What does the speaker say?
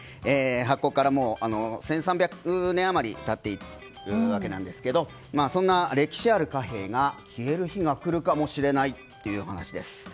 発行から１３００年余り経っているわけなんですがそんな歴史ある貨幣が消える日が来るかもしれないという話です。